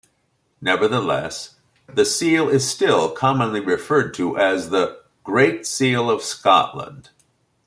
Nevertheless, the seal is still commonly referred to as the Great Seal of Scotland.